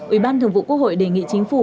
ủy ban thường vụ quốc hội đề nghị chính phủ